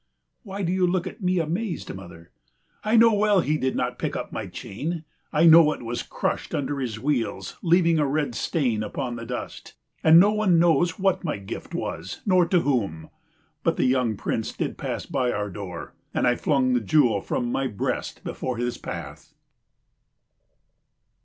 Why do you look at me amazed, mother? I know well he did not pick up my chain; I know it was crushed under his wheels leaving a red stain upon the dust, and no one knows what my gift was nor to whom. But the young Prince did pass by our door, and I flung the jewel from my breast before his path.